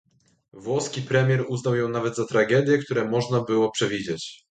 włoski premier uznał ją nawet za tragedię, którą można było przewidzieć